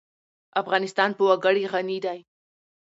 افغانستان په وګړي غني دی.